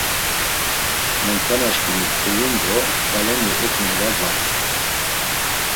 Montanaşǩimi tzulu'n do galeni eǩna va gvantzen.